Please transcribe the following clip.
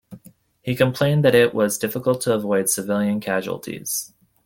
He complained that it was difficult to avoid civilian casualties.